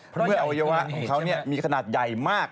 เพราะเมื่อเอาไว้ว่าของเขานี่มีขนาดใหญ่มาก